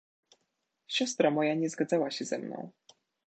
"Siostra moja nie zgadzała się ze mną."